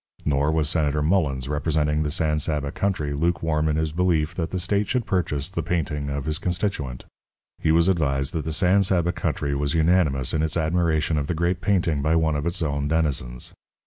Nor was Senator Mullens, representing the San Saba country, lukewarm in his belief that the state should purchase the painting of his constituent. He was advised that the San Saba country was unanimous in its admiration of the great painting by one of its own denizens.